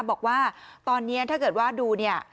บอกว่าตอนนี้ถ้าเกิดว่าดูเนี่ย